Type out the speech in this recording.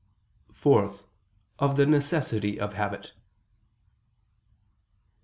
(4) Of the necessity of habit.